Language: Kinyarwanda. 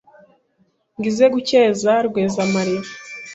Ngo ize gukeza Rwezamariba